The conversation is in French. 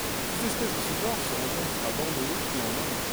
Les deux espèces de ce genre se rencontrent à Bornéo et en Inde.